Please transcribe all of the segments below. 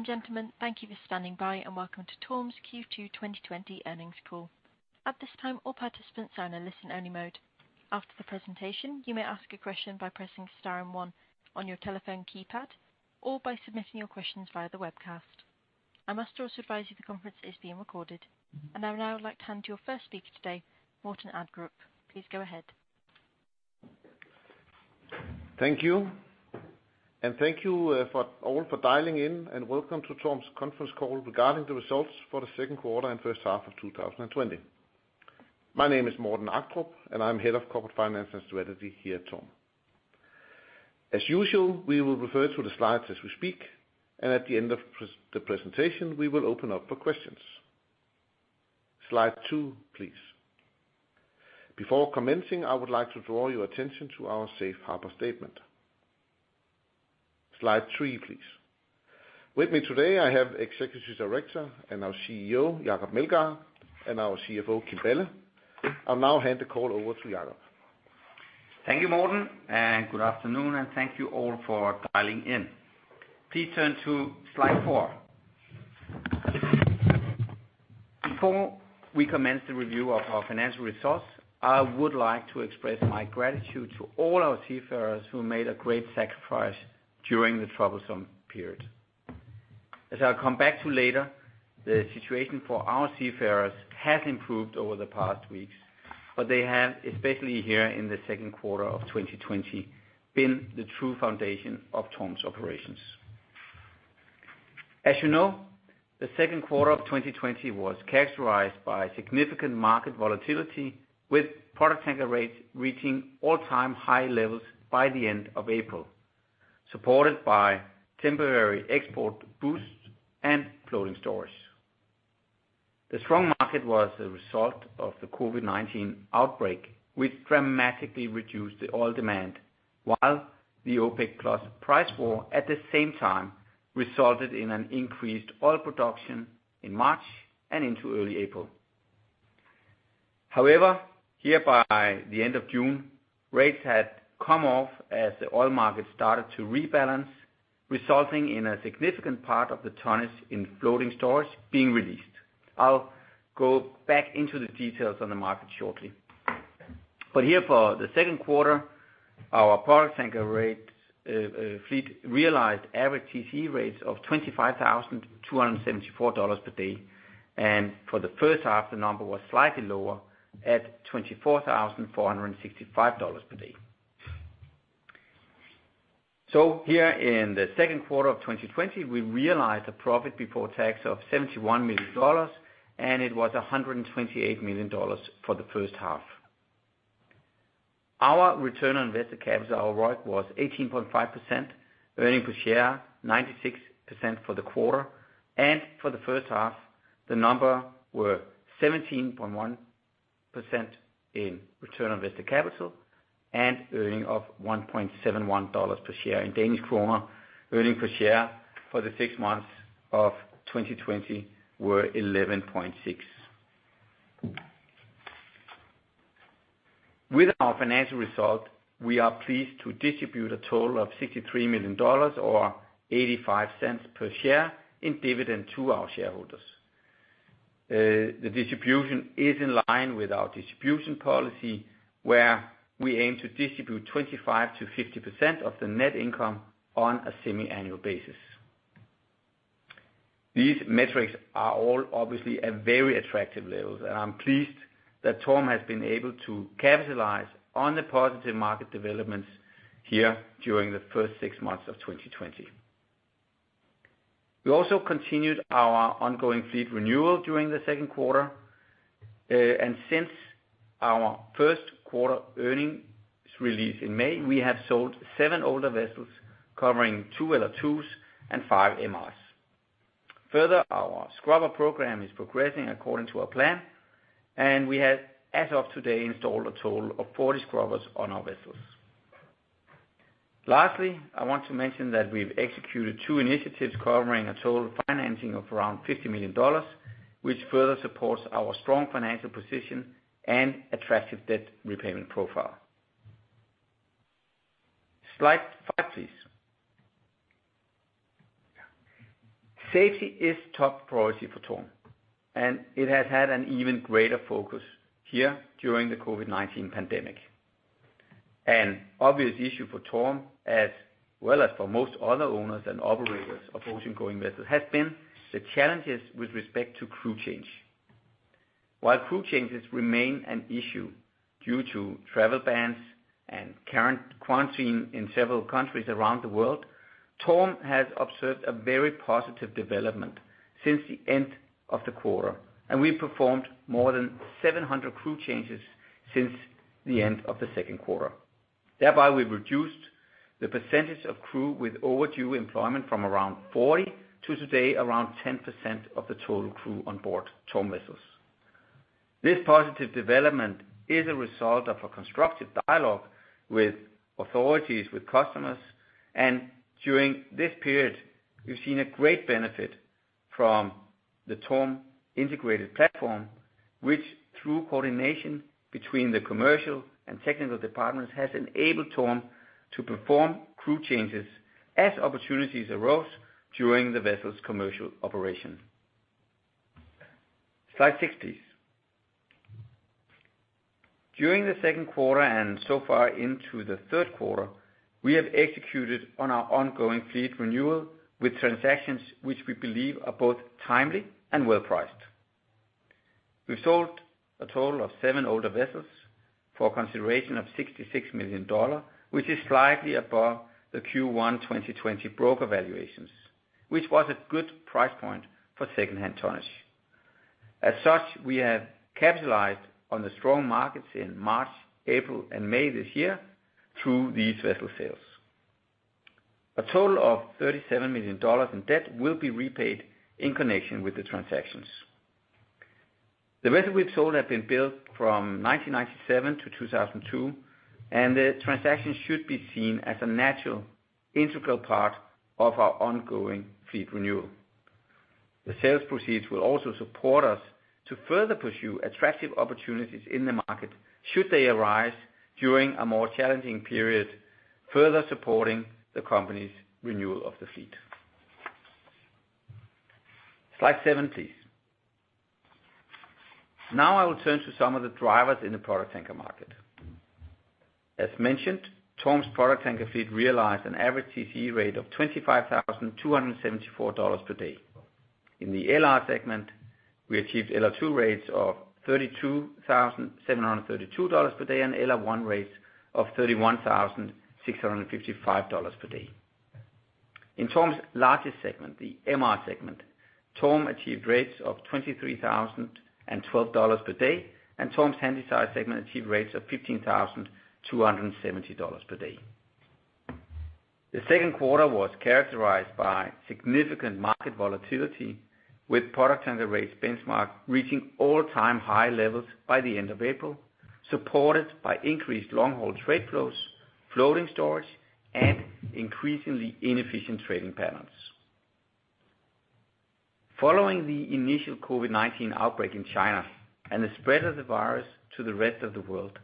Ladies and gentlemen, thank you for standing by and welcome to TORM's Q2 2020 earnings call. At this time, all participants are in a listen-only mode. After the presentation, you may ask a question by pressing star and one on your telephone keypad or by submitting your questions via the webcast. I must also advise you the conference is being recorded, and I would now like to hand your first speaker today, Morten Agdrup. Please go ahead. Thank you, and thank you all for dialing in, and welcome to TORM's conference call regarding the results for the second quarter and first half of 2020. My name is Morten Agdrup, and I'm Head of Corporate Finance and Strategy here at TORM. As usual, we will refer to the slides as we speak, and at the end of the presentation, we will open up for questions. Slide two, please. Before commencing, I would like to draw your attention to our Safe Harbor statement. Slide three, please. With me today, I have executive director and our CEO, Jacob Meldgaard, and our CFO, Kim Balle. I'll now hand the call over to Jacob. Thank you, Morten, and good afternoon, and thank you all for dialing in. Please turn to slide four. Before we commence the review of our financial results, I would like to express my gratitude to all our seafarers who made a great sacrifice during the troublesome period. As I'll come back to later, the situation for our seafarers has improved over the past weeks, but they have, especially here in the second quarter of 2020, been the true foundation of TORM's operations. As you know, the second quarter of 2020 was characterized by significant market volatility, with product tanker rates reaching all-time high levels by the end of April, supported by temporary export boosts and floating storage. The strong market was a result of the COVID-19 outbreak, which dramatically reduced the oil demand, while the OPEC+ price war at the same time resulted in an increased oil production in March and into early April. However, here by the end of June, rates had come off as the oil market started to rebalance, resulting in a significant part of the tonnage in floating storage being released. I'll go back into the details on the market shortly. Here for the second quarter, our product tanker fleet realized average TCE rates of $25,274 per day, and for the first half, the number was slightly lower at $24,465 per day. Here in the second quarter of 2020, we realized a profit before tax of $71 million, and it was $128 million for the first half. Our return on invested capital outright was 18.5%, earnings per share $0.96 for the quarter, and for the first half, the number was 17.1% in return on invested capital and earnings of DKK 1.71 per share in Danish kroner. Earnings per share for the six months of 2020 were DKK 11.6. With our financial result, we are pleased to distribute a total of $63 million or $0.85 per share in dividend to our shareholders. The distribution is in line with our distribution policy, where we aim to distribute 25%-50% of the net income on a semi-annual basis. These metrics are all obviously at very attractive levels, and I'm pleased that TORM has been able to capitalize on the positive market developments here during the first six months of 2020. We also continued our ongoing fleet renewal during the second quarter, and since our first quarter earnings release in May, we have sold seven older vessels covering two LR2s and five MRs. Further, our scrubber program is progressing according to our plan, and we have, as of today, installed a total of 40 scrubbers on our vessels. Lastly, I want to mention that we've executed two initiatives covering a total financing of around $50 million, which further supports our strong financial position and attractive debt repayment profile. Slide five, please. Safety is top priority for TORM, and it has had an even greater focus here during the COVID-19 pandemic. An obvious issue for TORM, as well as for most other owners and operators of ocean-going vessels, has been the challenges with respect to crew change. While crew changes remain an issue due to travel bans and current quarantine in several countries around the world, TORM has observed a very positive development since the end of the quarter, and we performed more than 700 crew changes since the end of the second quarter. Thereby, we've reduced the percentage of crew with overdue employment from around 40 to today around 10% of the total crew on board TORM vessels. This positive development is a result of a constructive dialogue with authorities, with customers, and during this period, we've seen a great benefit from the TORM integrated platform, which, through coordination between the commercial and technical departments, has enabled TORM to perform crew changes as opportunities arose during the vessel's commercial operation. Slide six, please. During the second quarter and so far into the third quarter, we have executed on our ongoing fleet renewal with transactions which we believe are both timely and well-priced. We've sold a total of seven older vessels for a consideration of $66 million, which is slightly above the Q1 2020 broker valuations, which was a good price point for second-hand tonnage. As such, we have capitalized on the strong markets in March, April, and May this year through these vessel sales. A total of $37 million in debt will be repaid in connection with the transactions. The vessel we've sold has been built from 1997 to 2002, and the transaction should be seen as a natural integral part of our ongoing fleet renewal. The sales proceeds will also support us to further pursue attractive opportunities in the market should they arise during a more challenging period, further supporting the company's renewal of the fleet. Slide seven, please. Now I will turn to some of the drivers in the product tanker market. As mentioned, TORM's product tanker fleet realized an average TCE rate of $25,274 per day. In the LR segment, we achieved LR2 rates of $32,732 per day and LR1 rates of $31,655 per day. In TORM's largest segment, the MR segment, TORM achieved rates of $23,012 per day, and TORM's handy-sized segment achieved rates of $15,270 per day. The second quarter was characterized by significant market volatility, with product tanker rates benchmarked reaching all-time high levels by the end of April, supported by increased long-haul trade flows, floating storage, and increasingly inefficient trading patterns. Following the initial COVID-19 outbreak in China and the spread of the virus to the rest of the world,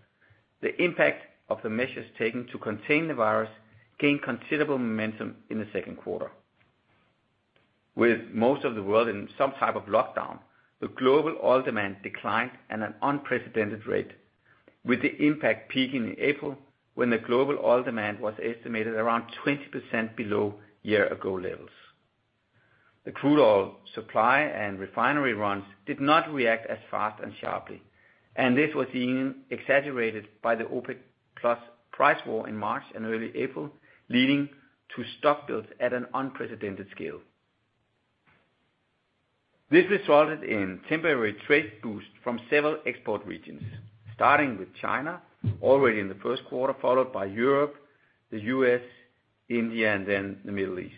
the impact of the measures taken to contain the virus gained considerable momentum in the second quarter. With most of the world in some type of lockdown, the global oil demand declined at an unprecedented rate, with the impact peaking in April when the global oil demand was estimated around 20% below year-ago levels. The crude oil supply and refinery runs did not react as fast and sharply, and this was even exaggerated by the OPEC+ price war in March and early April, leading to stock builds at an unprecedented scale. This resulted in temporary trade boosts from several export regions, starting with China already in the first quarter, followed by Europe, the U.S., India, and then the Middle East.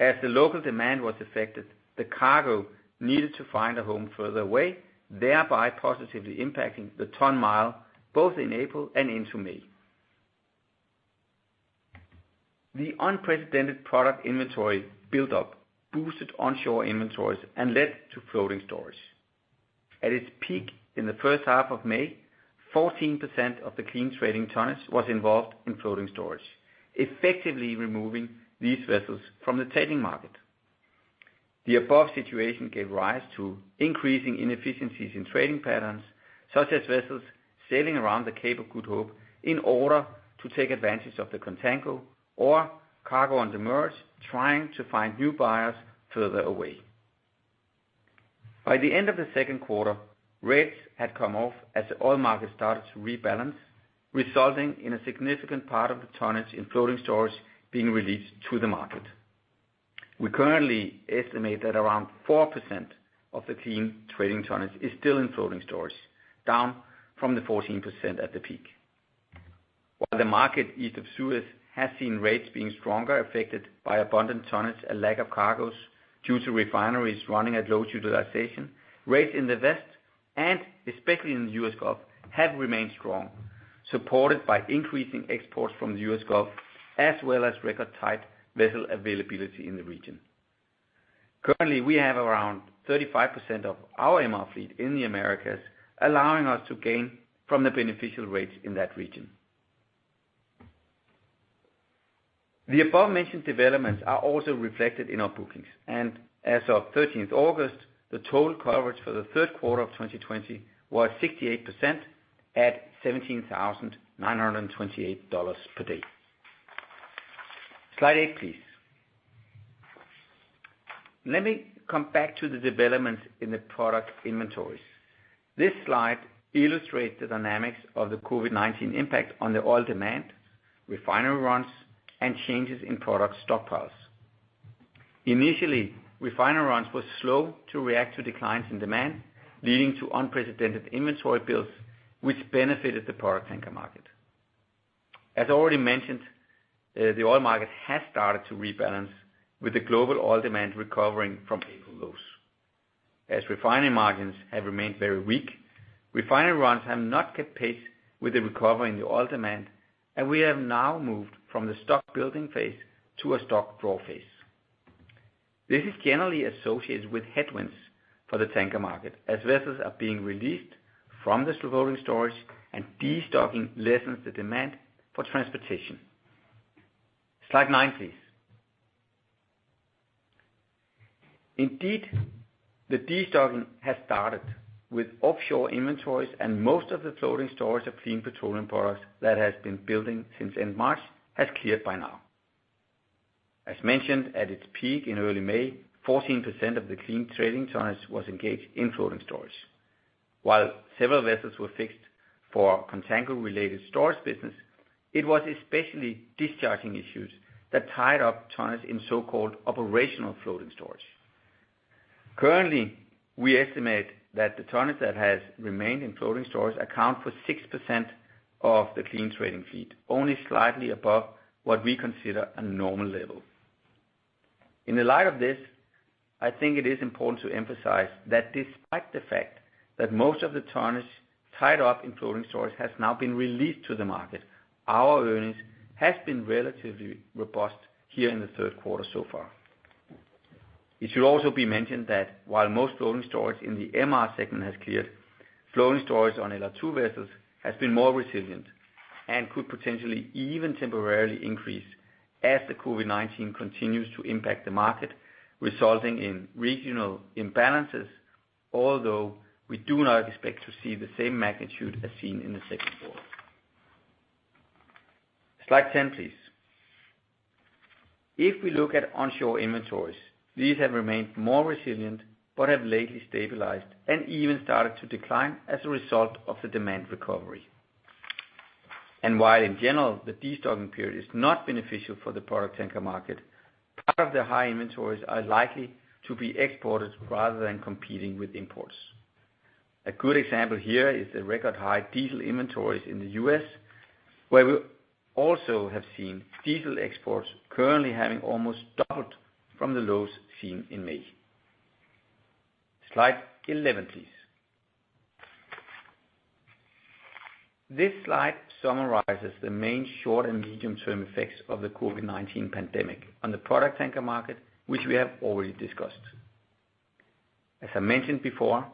As the local demand was affected, the cargo needed to find a home further away, thereby positively impacting the ton mile both in April and into May. The unprecedented product inventory build-up boosted onshore inventories and led to floating storage. At its peak in the first half of May, 14% of the clean trading tonnage was involved in floating storage, effectively removing these vessels from the trading market. The above situation gave rise to increasing inefficiencies in trading patterns, such as vessels sailing around the Cape of Good Hope in order to take advantage of the contango or cargo on the merge, trying to find new buyers further away. By the end of the second quarter, rates had come off as the oil market started to rebalance, resulting in a significant part of the tonnage in floating storage being released to the market. We currently estimate that around 4% of the clean trading tonnage is still in floating storage, down from the 14% at the peak. While the market east of Suez has seen rates being stronger, affected by abundant tonnage and lack of cargoes due to refineries running at low utilization, rates in the West and especially in the U.S. Gulf have remained strong, supported by increasing exports from the U.S. Gulf, as well as record-tight vessel availability in the region. Currently, we have around 35% of our MR fleet in the Americas, allowing us to gain from the beneficial rates in that region. The above-mentioned developments are also reflected in our bookings, and as of 13th August, the total coverage for the third quarter of 2020 was 68% at $17,928 per day. Slide eight, please. Let me come back to the developments in the product inventories. This slide illustrates the dynamics of the COVID-19 impact on the oil demand, refinery runs, and changes in product stockpiles. Initially, refinery runs were slow to react to declines in demand, leading to unprecedented inventory builds, which benefited the product tanker market. As already mentioned, the oil market has started to rebalance with the global oil demand recovering from April lows. As refinery margins have remained very weak, refinery runs have not kept pace with the recovery in the oil demand, and we have now moved from the stock building phase to a stock draw phase. This is generally associated with headwinds for the tanker market, as vessels are being released from the floating storage and destocking lessens the demand for transportation. Slide nine, please. Indeed, the destocking has started with offshore inventories, and most of the floating storage of clean petroleum products that has been building since end March has cleared by now. As mentioned, at its peak in early May, 14% of the clean trading tonnage was engaged in floating storage. While several vessels were fixed for contango-related storage business, it was especially discharging issues that tied up tonnage in so-called operational floating storage. Currently, we estimate that the tonnage that has remained in floating storage accounts for 6% of the clean trading fleet, only slightly above what we consider a normal level. In the light of this, I think it is important to emphasize that despite the fact that most of the tonnage tied up in floating storage has now been released to the market, our earnings have been relatively robust here in the third quarter so far. It should also be mentioned that while most floating storage in the MR segment has cleared, floating storage on LR2 vessels has been more resilient and could potentially even temporarily increase as the COVID-19 continues to impact the market, resulting in regional imbalances, although we do not expect to see the same magnitude as seen in the second quarter. Slide 10, please. If we look at onshore inventories, these have remained more resilient but have lately stabilized and even started to decline as a result of the demand recovery. And while in general, the destocking period is not beneficial for the product tanker market, part of the high inventories are likely to be exported rather than competing with imports. A good example here is the record-high diesel inventories in the U.S., where we also have seen diesel exports currently having almost doubled from the lows seen in May. Slide 11, please. This slide summarizes the main short and medium-term effects of the COVID-19 pandemic on the product tanker market, which we have already discussed. As I mentioned before,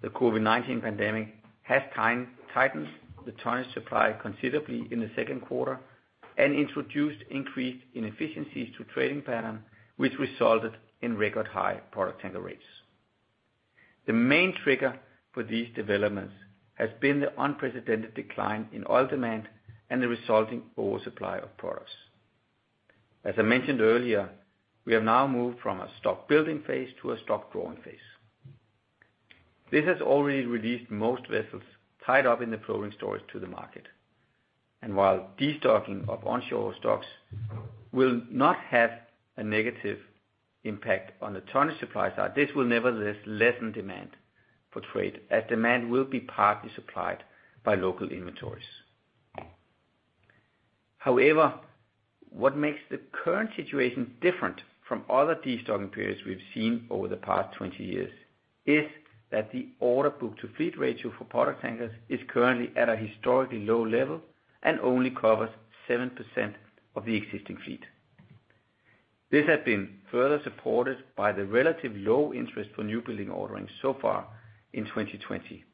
the COVID-19 pandemic has tightened the tonnage supply considerably in the second quarter and introduced increased inefficiencies to trading patterns, which resulted in record-high product tanker rates. The main trigger for these developments has been the unprecedented decline in oil demand and the resulting oversupply of products. As I mentioned earlier, we have now moved from a stock building phase to a stock drawing phase. This has already released most vessels tied up in the floating storage to the market. And while destocking of onshore stocks will not have a negative impact on the tonnage supply side, this will nevertheless lessen demand for trade, as demand will be partly supplied by local inventories. However, what makes the current situation different from other destocking periods we've seen over the past 20 years is that the order-book-to-fleet ratio for product tankers is currently at a historically low level and only covers 7% of the existing fleet. This has been further supported by the relatively low interest for new building ordering so far in 2020,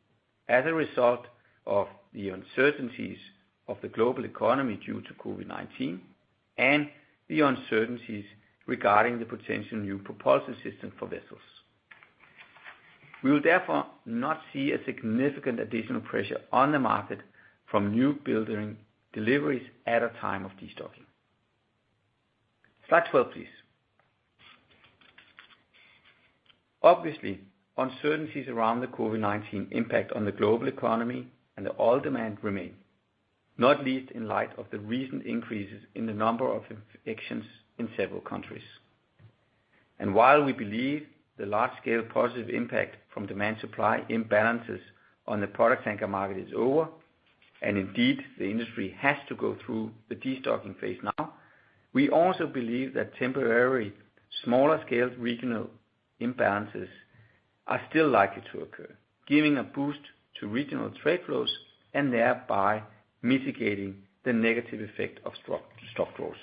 as a result of the uncertainties of the global economy due to COVID-19 and the uncertainties regarding the potential new propulsion system for vessels. We will therefore not see a significant additional pressure on the market from new building deliveries at a time of destocking. Slide 12, please. Obviously, uncertainties around the COVID-19 impact on the global economy and the oil demand remain, not least in light of the recent increases in the number of infections in several countries. And while we believe the large-scale positive impact from demand-supply imbalances on the product tanker market is over, and indeed, the industry has to go through the destocking phase now, we also believe that temporary smaller-scale regional imbalances are still likely to occur, giving a boost to regional trade flows and thereby mitigating the negative effect of stock draws.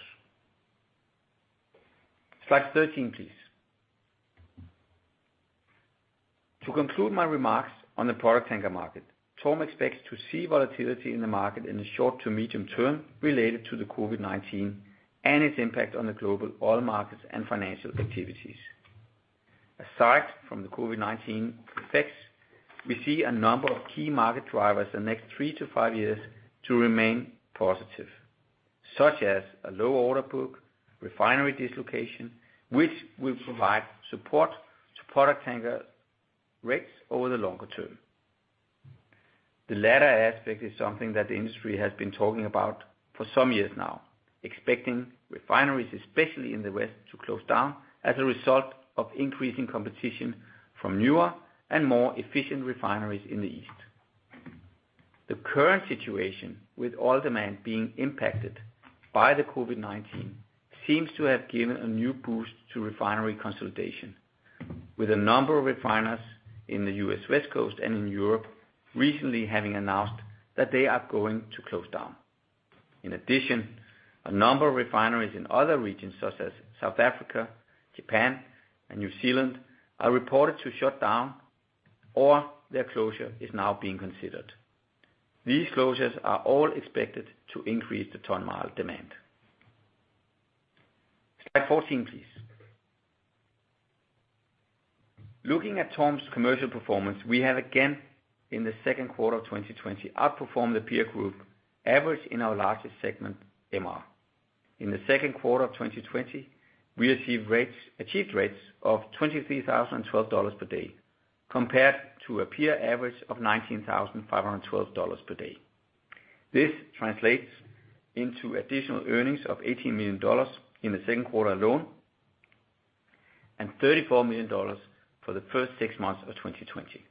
Slide 13, please. To conclude my remarks on the product tanker market, TORM expects to see volatility in the market in the short to medium term related to the COVID-19 and its impact on the global oil markets and financial activities. Aside from the COVID-19 effects, we see a number of key market drivers in the next three to five years to remain positive, such as a low order book, refinery dislocation, which will provide support to product tanker rates over the longer term. The latter aspect is something that the industry has been talking about for some years now, expecting refineries, especially in the west, to close down as a result of increasing competition from newer and more efficient refineries in the east. The current situation, with oil demand being impacted by the COVID-19, seems to have given a new boost to refinery consolidation, with a number of refineries in the US West Coast and in Europe recently having announced that they are going to close down. In addition, a number of refineries in other regions, such as South Africa, Japan, and New Zealand, are reported to shut down, or their closure is now being considered. These closures are all expected to increase the ton mile demand. Slide 14, please. Looking at TORM's commercial performance, we have again, in the second quarter of 2020, outperformed the peer group, averaged in our largest segment, MR. In the second quarter of 2020, we achieved rates of $23,012 per day, compared to a peer average of $19,512 per day. This translates into additional earnings of $18 million in the second quarter alone and $34 million for the first six months of 2020.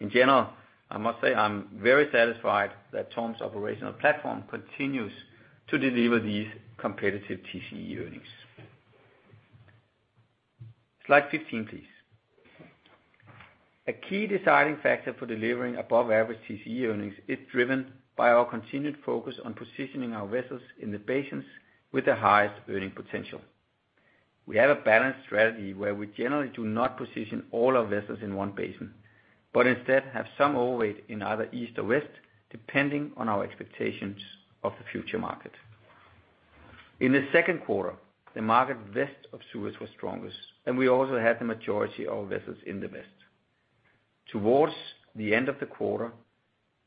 In general, I must say I'm very satisfied that TORM's operational platform continues to deliver these competitive TCE earnings. Slide 15, please. A key deciding factor for delivering above-average TCE earnings is driven by our continued focus on positioning our vessels in the basins with the highest earning potential. We have a balanced strategy where we generally do not position all our vessels in one basin, but instead have some overweight in either east or west, depending on our expectations of the future market. In the second quarter, the market west of Suez was strongest, and we also had the majority of our vessels in the west. Towards the end of the quarter,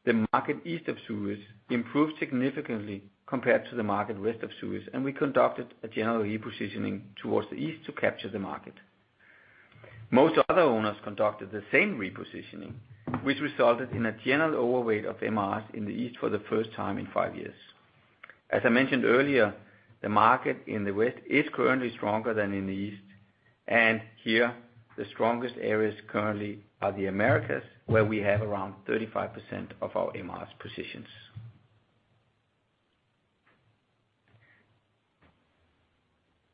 the market east of Suez improved significantly compared to the market west of Suez, and we conducted a general repositioning towards the east to capture the market. Most other owners conducted the same repositioning, which resulted in a general overweight of MRs in the east for the first time in five years. As I mentioned earlier, the market in the west is currently stronger than in the east, and here, the strongest areas currently are the Americas, where we have around 35% of our MR's positions.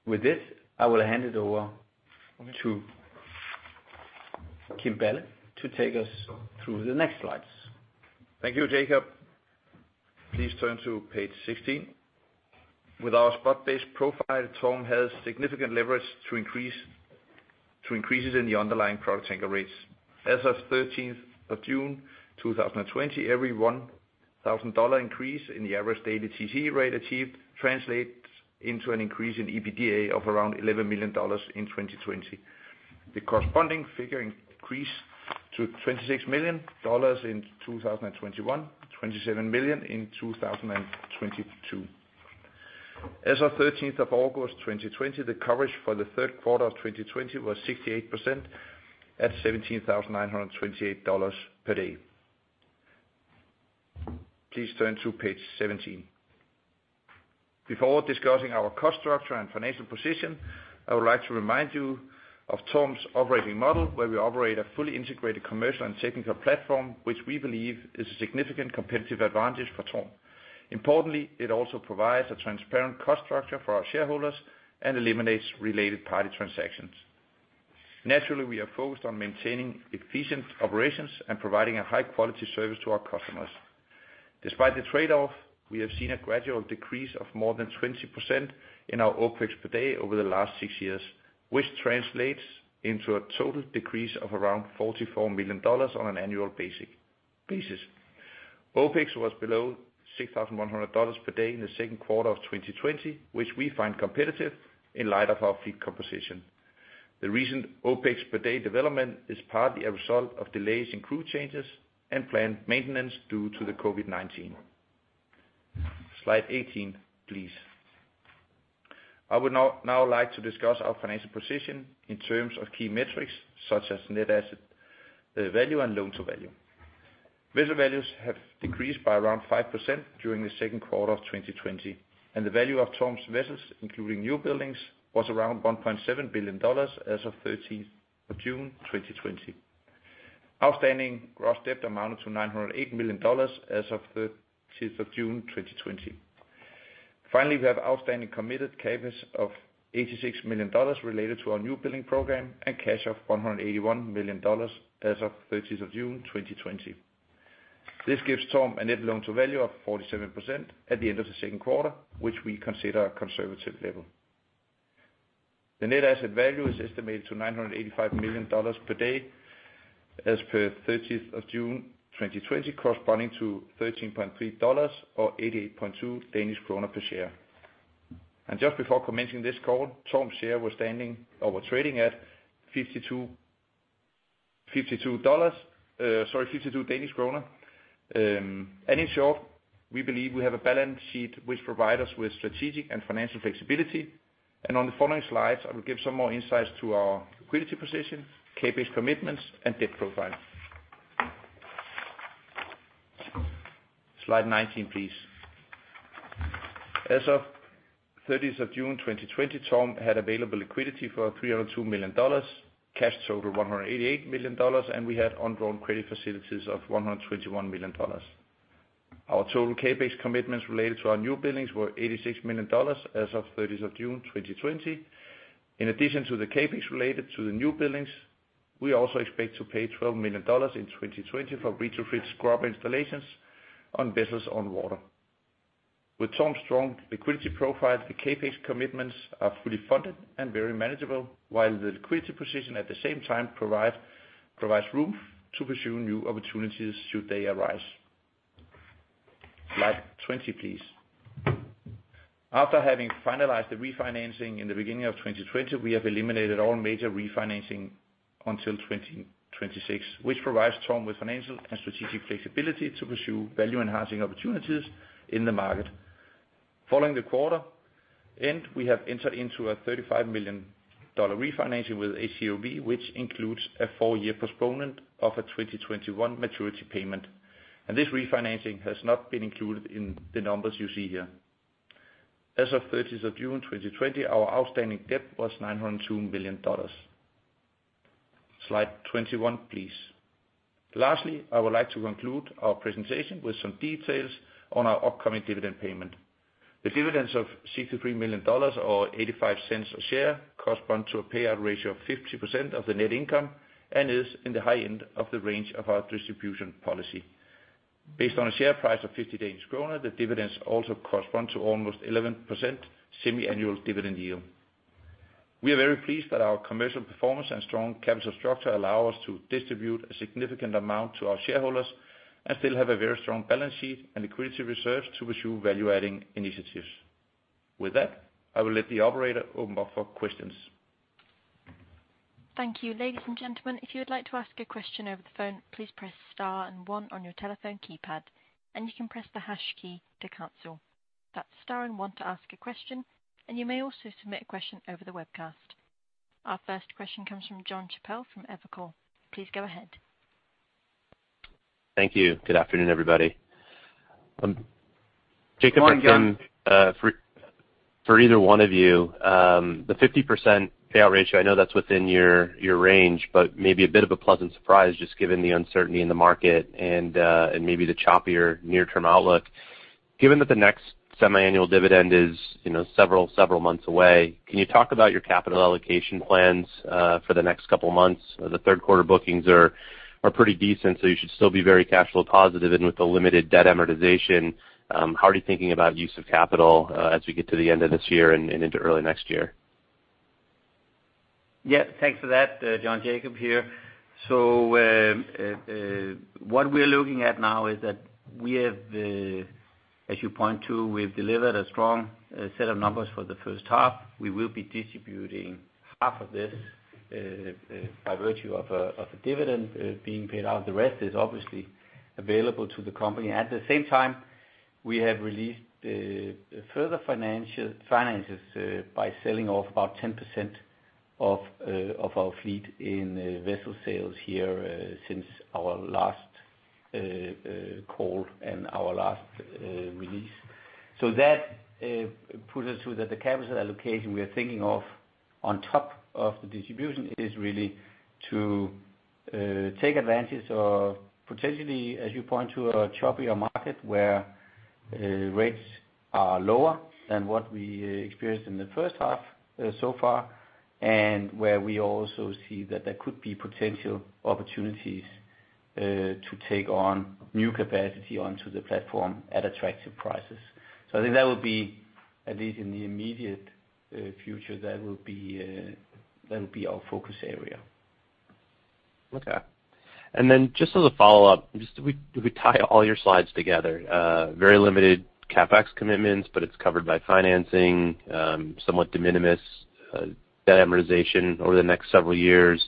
With this, I will hand it over to Kim Balle to take us through the next slides. Thank you, Jacob. Please turn to page 16. With our spot-based profile, TORM has significant leverage to increase it in the underlying product tanker rates. As of 13th of June 2020, every $1,000 increase in the average daily TCE rate achieved translates into an increase in EPDA of around $11 million in 2020. The corresponding figure increased to $26 million in 2021, $27 million in 2022. As of 13th of August 2020, the coverage for the third quarter of 2020 was 68% at $17,928 per day. Please turn to page 17. Before discussing our cost structure and financial position, I would like to remind you of TORM's operating model, where we operate a fully integrated commercial and technical platform, which we believe is a significant competitive advantage for TORM. Importantly, it also provides a transparent cost structure for our shareholders and eliminates related party transactions. Naturally, we are focused on maintaining efficient operations and providing a high-quality service to our customers. Despite the trade-off, we have seen a gradual decrease of more than 20% in our OpEx per day over the last six years, which translates into a total decrease of around $44 million on an annual basis. OpEx was below $6,100 per day in the second quarter of 2020, which we find competitive in light of our fleet composition. The recent OpEx per day development is partly a result of delays in crew changes and planned maintenance due to the COVID-19. Slide 18, please. I would now like to discuss our financial position in terms of key metrics such as net asset value and loan-to-value. Vessel values have decreased by around 5% during the second quarter of 2020, and the value of TORM's vessels, including new buildings, was around $1.7 billion as of 13th of June 2020. Outstanding gross debt amounted to $908 million as of 13th of June 2020. Finally, we have outstanding committed CapEx of $86 million related to our new building program and cash of $181 million as of 13th of June 2020. This gives TORM a net loan-to-value of 47% at the end of the second quarter, which we consider a conservative level. The net asset value is estimated to $985 million per day as per 13th of June 2020, corresponding to $13.3 or 88.2 Danish kroner per share. And just before commencing this call, TORM's share was standing or were trading at DKK 52. And in short, we believe we have a balance sheet which provides us with strategic and financial flexibility. And on the following slides, I will give some more insights to our liquidity position, capex commitments, and debt profile. Slide 19, please. As of 30th of June 2020, TORM had available liquidity for $302 million, cash total $188 million, and we had ongoing credit facilities of $121 million. Our total capex commitments related to our new buildings were $86 million as of 30th of June 2020. In addition to the capex related to the new buildings, we also expect to pay $12 million in 2020 for breach-of-rich scrub installations on vessels on water. With TORM's strong liquidity profile, the capex commitments are fully funded and very manageable, while the liquidity position at the same time provides room to pursue new opportunities should they arise. Slide 20, please. After having finalized the refinancing in the beginning of 2020, we have eliminated all major refinancing until 2026, which provides TORM with financial and strategic flexibility to pursue value-enhancing opportunities in the market. Following the quarter, we have entered into a $35 million refinancing with ACOB, which includes a four-year postponement of a 2021 maturity payment. And this refinancing has not been included in the numbers you see here. As of 30th of June 2020, our outstanding debt was $902 million. Slide 21, please. Lastly, I would like to conclude our presentation with some details on our upcoming dividend payment. The dividends of $63 million or $0.85 a share correspond to a payout ratio of 50% of the net income and is in the high end of the range of our distribution policy. Based on a share price of 50 Danish kroner, the dividends also correspond to almost 11% semiannual dividend yield. We are very pleased that our commercial performance and strong capital structure allow us to distribute a significant amount to our shareholders and still have a very strong balance sheet and liquidity reserves to pursue value-adding initiatives. With that, I will let the operator open up for questions. Thank you. Ladies and gentlemen, if you would like to ask a question over the phone, please press star and one on your telephone keypad, and you onecan press the hash key to cancel. That's star and 1 to ask a question, and you may also submit a question over the webcast. Our first question comes from Jon Chappell from Evercore. Please go ahead. Thank you. Good afternoon, everybody. Jacob, for either one of you, the 50% payout ratio, I know that's within your range, but maybe a bit of a pleasant surprise just given the uncertainty in the market and maybe the choppier near-term outlook. Given that the next semiannual dividend is several, several months away, can you talk about your capital allocation plans for the next couple of months? The third quarter bookings are pretty decent, so you should still be very cash flow positive and with a limited debt amortization. How are you thinking about use of capital as we get to the end of this year and into early next year? Yeah. Thanks for that, Jon, Jacob here. So what we're looking at now is that we have, as you point to, we've delivered a strong set of numbers for the first half. We will be distributing half of this by virtue of a dividend being paid out. The rest is obviously available to the company. At the same time, we have released further finances by selling off about 10% of our fleet in vessel sales here since our last call and our last release. So that puts us to the capital allocation we are thinking of on top of the distribution is really to take advantage of potentially, as you point to, a choppier market where rates are lower than what we experienced in the first half so far and where we also see that there could be potential opportunities to take on new capacity onto the platform at attractive prices. So I think that will be, at least in the immediate future, that will be our focus area. Okay. And then just as a follow-up, just if we tie all your slides together, very limited CapEx commitments, but it's covered by financing, somewhat de minimis debt amortization over the next several years,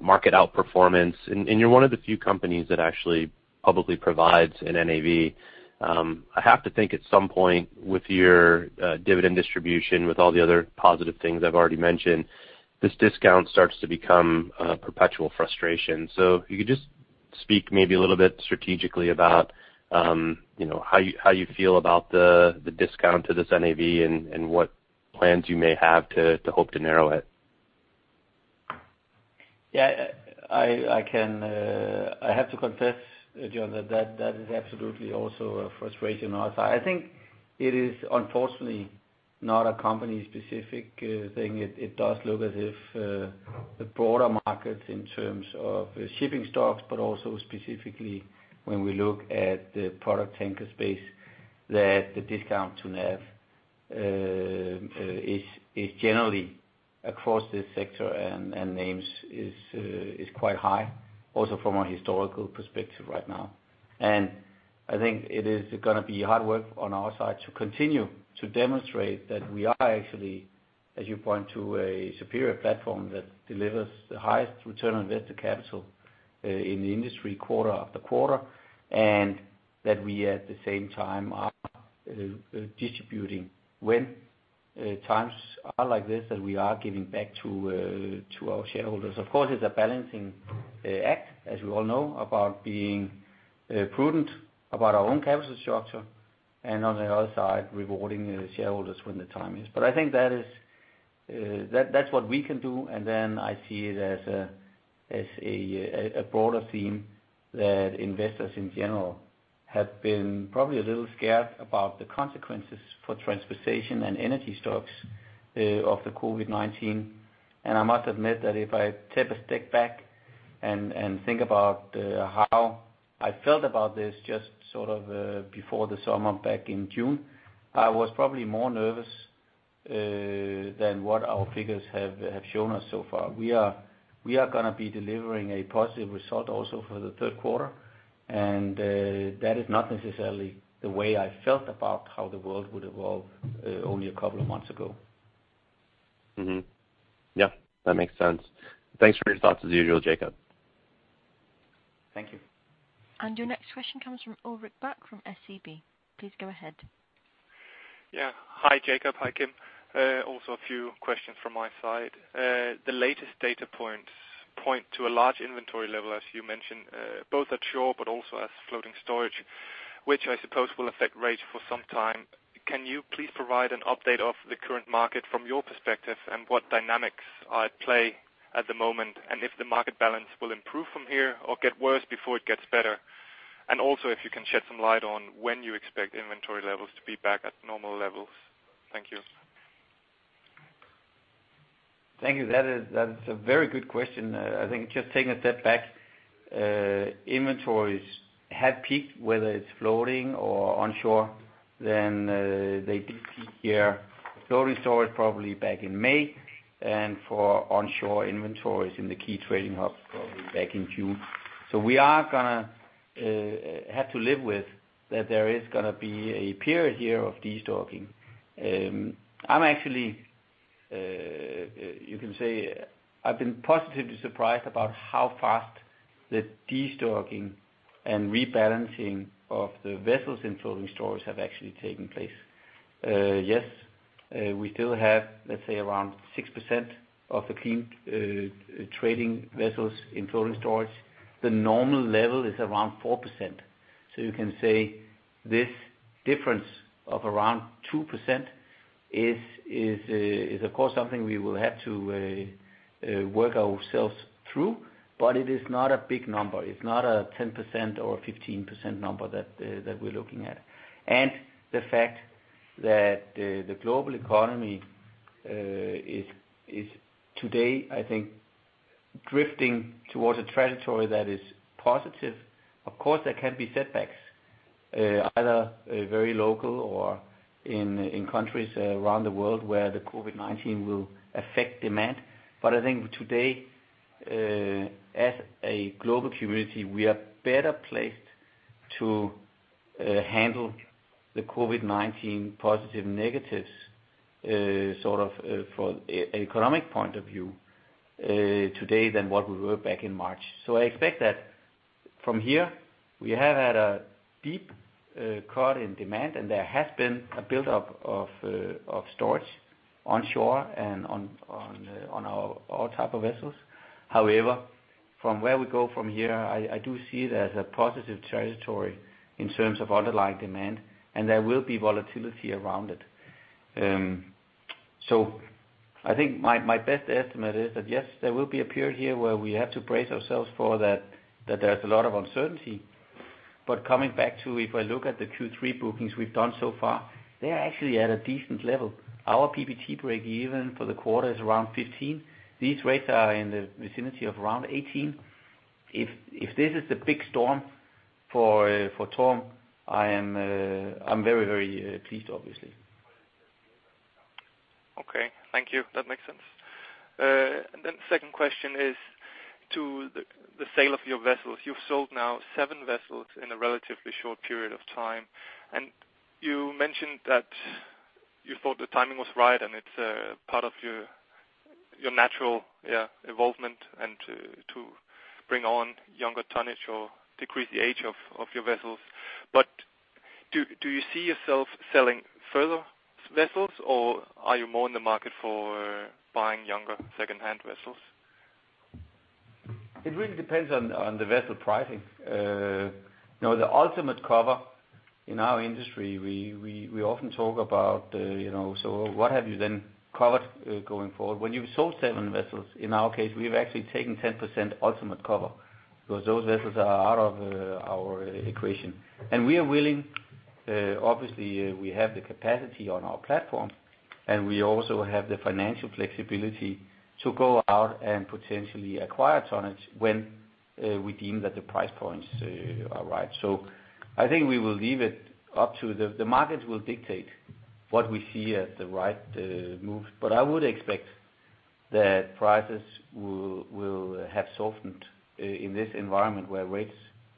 market outperformance. And you're one of the few companies that actually publicly provides an NAV. I have to think at some point with your dividend distribution, with all the other positive things I've already mentioned, this discount starts to become a perpetual frustration. So if you could just speak maybe a little bit strategically about how you feel about the discount to this NAV and what plans you may have to hope to narrow it. Yeah. I have to confess, Jon, that that is absolutely also a frustration on our side. I think it is unfortunately not a company-specific thing. It does look as if the broader markets in terms of shipping stocks, but also specifically when we look at the product tanker space, that the discount to NAV is generally across this sector and names is quite high, also from a historical perspective right now. And I think it is going to be hard work on our side to continue to demonstrate that we are actually, as you point to, a superior platform that delivers the highest return on invested capital in the industry quarter after quarter and that we at the same time are distributing when times are like this that we are giving back to our shareholders. Of course, it's a balancing act, as we all know, about being prudent about our own capital structure and on the other side, rewarding shareholders when the time is. But I think that's what we can do. And then I see it as a broader theme that investors in general have been probably a little scared about the consequences for transportation and energy stocks of the COVID-19. And I must admit that if I take a step back and think about how I felt about this just sort of before the summer back in June, I was probably more nervous than what our figures have shown us so far. We are going to be delivering a positive result also for the third quarter, and that is not necessarily the way I felt about how the world would evolve only a couple of months ago. Yeah. That makes sense. Thanks for your thoughts as usual, Jacob. Thank you. And your next question comes from Ulrik Bak from SEB. Please go ahead. Yeah. Hi, Jacob. Hi, Kim. Also a few questions from my side. The latest data points point to a large inventory level, as you mentioned, both at shore but also as floating storage, which I suppose will affect rates for some time. Can you please provide an update of the current market from your perspective and what dynamics are at play at the moment and if the market balance will improve from here or get worse before it gets better? And also if you can shed some light on when you expect inventory levels to be back at normal levels. Thank you. Thank you. That's a very good question. I think just taking a step back, inventories have peaked, whether it's floating or onshore, then they did peak here. Floating store is probably back in May, and for onshore inventories in the key trading hubs probably back in June. So we are going to have to live with that there is going to be a period here of destocking. I'm actually, you can say, I've been positively surprised about how fast the destocking and rebalancing of the vessels in floating storage have actually taken place. Yes, we still have, let's say, around 6% of the clean trading vessels in floating storage. The normal level is around 4%. So you can say this difference of around 2% is, of course, something we will have to work ourselves through, but it is not a big number. It's not a 10% or a 15% number that we're looking at. And the fact that the global economy is today, I think, drifting towards a trajectory that is positive. Of course, there can be setbacks, either very local or in countries around the world where the COVID-19 will affect demand. But I think today, as a global community, we are better placed to handle the COVID-19 positive negatives sort of from an economic point of view today than what we were back in March. So I expect that from here, we have had a deep cut in demand, and there has been a buildup of storage onshore and on our type of vessels. However, from where we go from here, I do see it as a positive territory in terms of underlying demand, and there will be volatility around it. So I think my best estimate is that, yes, there will be a period here where we have to brace ourselves for that there's a lot of uncertainty. But coming back to, if I look at the Q3 bookings we've done so far, they are actually at a decent level. Our PBT break even for the quarter is around 15%. These rates are in the vicinity of around 18%. If this is the big storm for TORM, I am very, very pleased, obviously. Okay. Thank you. That makes sense. And then the second question is to the sale of your vessels. You've sold now seven vessels in a relatively short period of time. And you mentioned that you thought the timing was right and it's part of your natural evolvement and to bring on younger tonnage or decrease the age of your vessels. But do you see yourself selling further vessels, or are you more in the market for buying younger secondhand vessels? It really depends on the vessel pricing. The ultimate cover in our industry, we often talk about, "So what have you then covered going forward?" When you've sold seven vessels, in our case, we've actually taken 10% ultimate cover because those vessels are out of our equation. And we are willing, obviously, we have the capacity on our platform, and we also have the financial flexibility to go out and potentially acquire tonnage when we deem that the price points are right. So I think we will leave it up to the markets will dictate what we see as the right move. But I would expect that prices will have softened in this environment where rates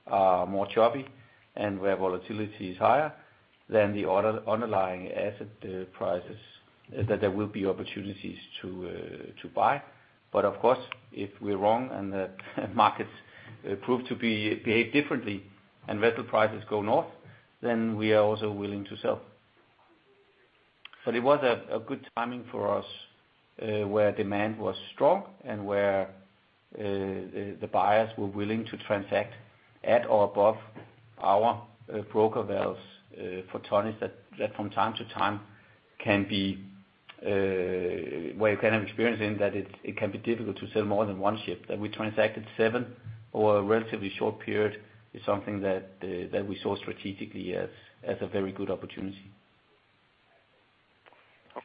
are more choppy and where volatility is higher than the underlying asset prices, that there will be opportunities to buy. But of course, if we're wrong and the markets prove to behave differently and vessel prices go north, then we are also willing to sell. But it was a good timing for us where demand was strong and where the buyers were willing to transact at or above our broker valves for tonnage that from time to time can be where you can have experience in that it can be difficult to sell more than one ship. That we transacted seven over a relatively short period is something that we saw strategically as a very good opportunity.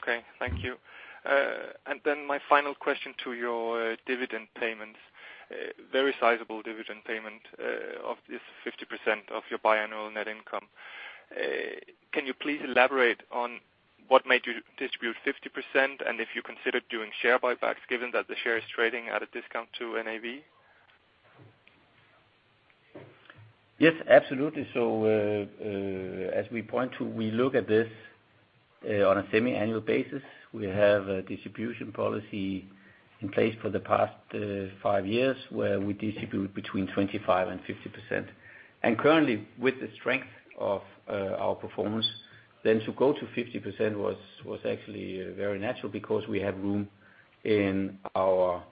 Okay. Thank you. And then my final question to your dividend payments, very sizable dividend payment of this 50% of your biannual net income. Can you please elaborate on what made you distribute 50% and if you considered doing share buybacks given that the share is trading at a discount to NAV? Yes, absolutely. So as we point to, we look at this on a semiannual basis. We have a distribution policy in place for the past five years where we distribute between 25% and 50%. And currently, with the strength of our performance, then to go to 50% was actually very natural because we have room in our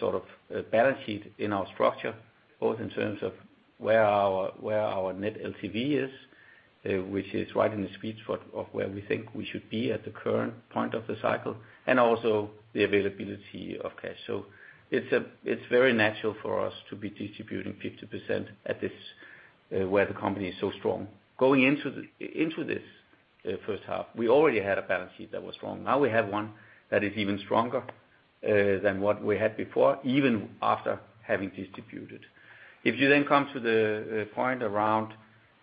sort of balance sheet in our structure, both in terms of where our net LTV is, which is right in the sweet spot of where we think we should be at the current point of the cycle, and also the availability of cash. So it's very natural for us to be distributing 50% at this where the company is so strong. Going into this first half, we already had a balance sheet that was strong. Now we have one that is even stronger than what we had before, even after having distributed. If you then come to the point around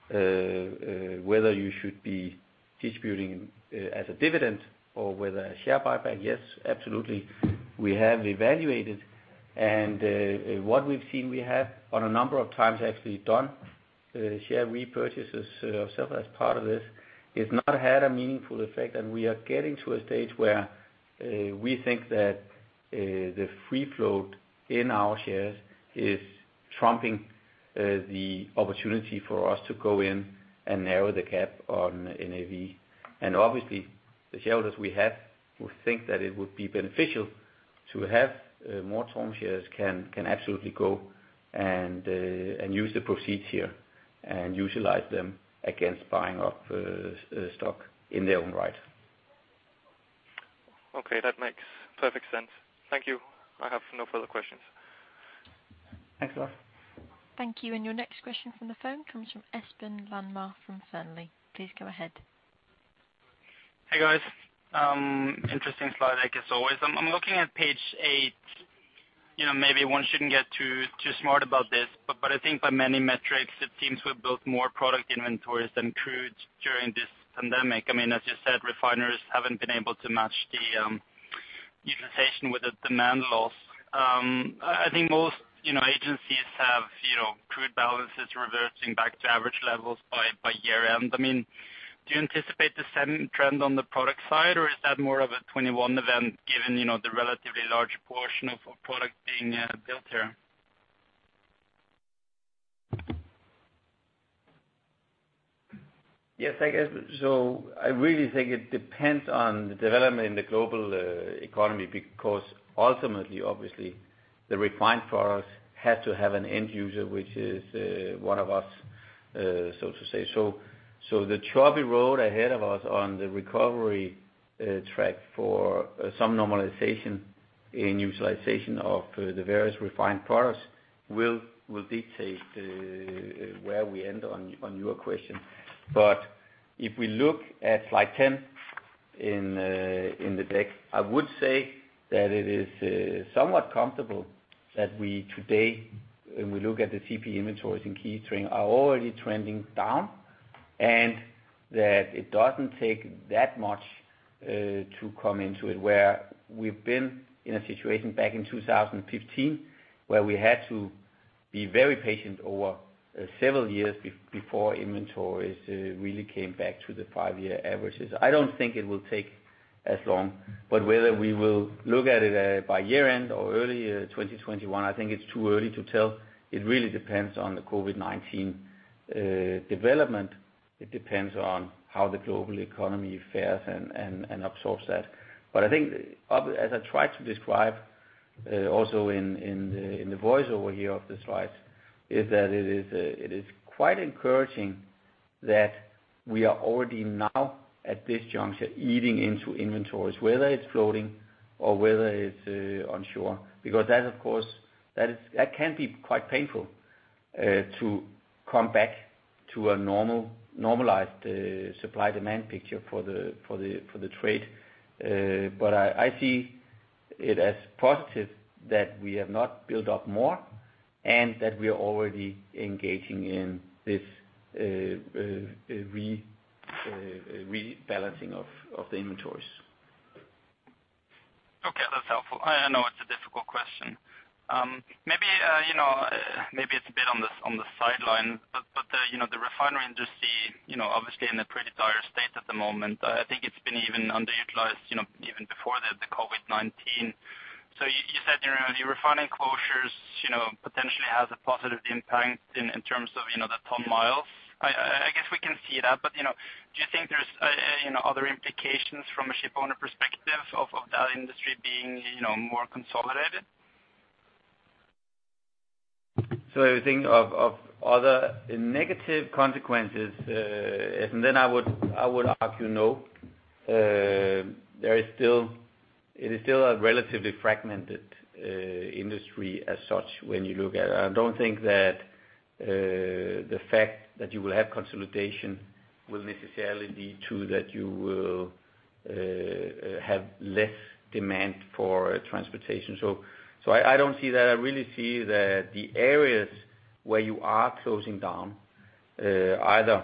whether you should be distributing as a dividend or whether a share buyback, yes, absolutely, we have evaluated. And what we've seen, we have on a number of times actually done share repurchases ourselves as part of this. It's not had a meaningful effect, and we are getting to a stage where we think that the free float in our shares is trumping the opportunity for us to go in and narrow the gap on NAV. And obviously, the shareholders we have who think that it would be beneficial to have more TORM shares can absolutely go and use the proceeds here and utilize them against buying up stock in their own right. Okay. That makes perfect sense. Thank you. I have no further questions. Thanks, Bak. Thank you. And your next question from the phone comes from Espen Fjermestad from Fearnley. Please go ahead. Hey, guys. Interesting slide deck as always. I'm looking at page eight. Maybe one shouldn't get too smart about this, but I think by many metrics, it seems we've built more product inventories than crude during this pandemic. I mean, as you said, refineries haven't been able to match the utilization with the demand loss. I think most agencies have crude balances reverting back to average levels by year-end. I mean, do you anticipate the same trend on the product side, or is that more of a 2021 event given the relatively large portion of product being built here? Yes. So I really think it depends on the development in the global economy because ultimately, obviously, the refined product has to have an end user, which is one of us, so to say. So the choppy road ahead of us on the recovery track for some normalization in utilization of the various refined products will dictate where we end on your question. But if we look at slide 10 in the deck, I would say that it is somewhat comfortable that we today, when we look at the CP inventories in key string, are already trending down and that it doesn't take that much to come into it where we've been in a situation back in 2015 where we had to be very patient over several years before inventories really came back to the five-year averages. I don't think it will take as long. But whether we will look at it by year-end or early 2021, I think it's too early to tell. It really depends on the COVID-19 development. It depends on how the global economy fares and absorbs that. But I think, as I tried to describe also in the voiceover here of the slides, is that it is quite encouraging that we are already now, at this juncture, eating into inventories, whether it's floating or whether it's onshore. Because that, of course, that can be quite painful to come back to a normalized supply-demand picture for the trade. But I see it as positive that we have not built up more and that we are already engaging in this rebalancing of the inventories. Okay. That's helpful. I know it's a difficult question. Maybe it's a bit on the sideline, but the refinery industry, obviously, in a pretty dire state at the moment. I think it's been even underutilized even before the COVID-19. So you said your refining closures potentially have a positive impact in terms of the tonnage. I guess we can see that. But do you think there's other implications from a shipowner perspective of that industry being more consolidated? So I think of other negative consequences, and then I would argue no. It is still a relatively fragmented industry as such when you look at it. I don't think that the fact that you will have consolidation will necessarily lead to that you will have less demand for transportation. So I don't see that. I really see that the areas where you are closing down, either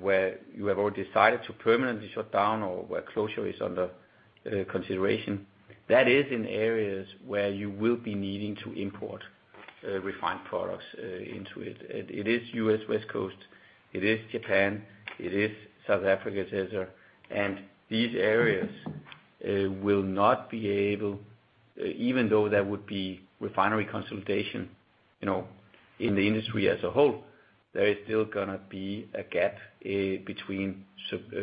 where you have already decided to permanently shut down or where closure is under consideration, that is in areas where you will be needing to import refined products into it. It is U.S. West Coast. It is Japan. It is South Africa as well. And these areas will not be able, even though there would be refinery consolidation in the industry as a whole, there is still going to be a gap between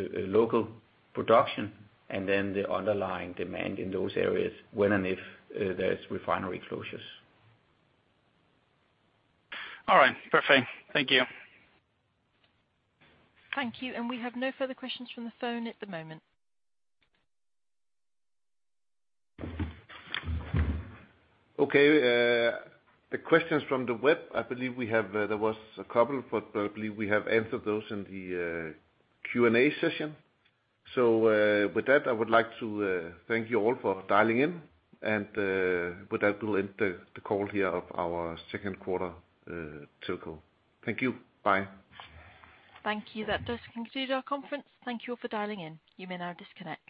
local production and then the underlying demand in those areas when and if there's refinery closures. All right. Perfect. Thank you. Thank you. And we have no further questions from the phone at the moment. Okay. The questions from the web, I believe we have there was a couple, but I believe we have answered those in the Q&A session. So with that, I would like to thank you all for dialing in, and with that, we'll end the call here of our second quarter telco. Thank you. Bye. Thank you. That does conclude our conference. Thank you all for dialing in. You may now disconnect.